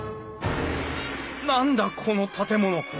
何だこの建物。